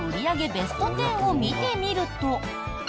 ベスト１０を見てみると。